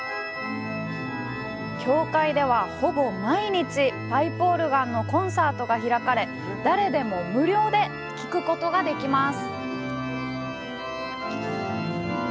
教会では、ほぼ毎日パイプオルガンのコンサートが開かれ、誰でも無料で聴くことができます。